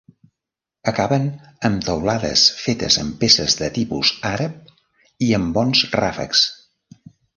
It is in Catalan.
Acaben amb teulades fetes amb peces de tipus àrab i amb bons ràfecs.